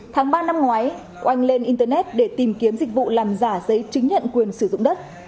tháng ba năm ngoái oanh lên internet để tìm kiếm dịch vụ làm giả giấy chứng nhận quyền sử dụng đất